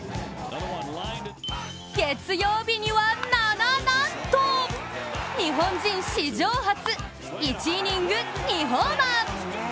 月曜日にはな、な、なんと日本人史上初１イニング２ホーマー。